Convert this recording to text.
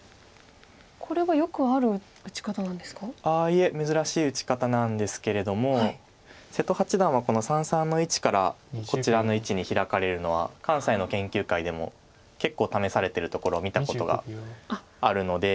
いえ珍しい打ち方なんですけれども瀬戸八段はこの三々の位置からこちらの位置にヒラかれるのは関西の研究会でも結構試されてるところを見たことがあるので。